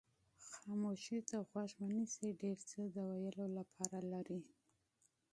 خاموشۍ ته غوږ ونیسئ ډېر څه د ویلو لپاره لري.